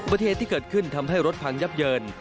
เหตุที่เกิดขึ้นทำให้รถพังยับเยิน